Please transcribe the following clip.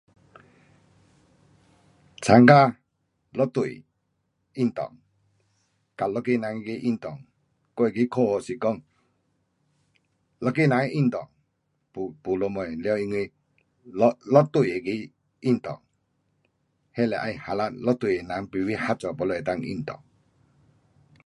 参加一对运动，跟一个人那个运动，我的看法是讲，一个人运动没什么，完因为一，一对那个运动，那得要 harap 一对人排排合作 baru 能够运动。